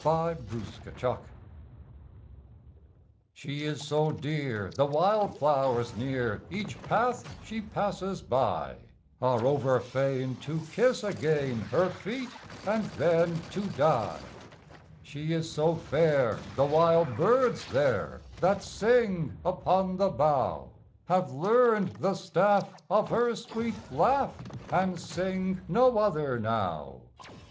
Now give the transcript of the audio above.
INDIFFERENCE She is so dear the wildflowers near Each path she passes by, Are over fain to kiss again Her feet and then to die. She is so fair the wild birds there That sing upon the bough, Have learned the staff of her sweet laugh, And sing no other now.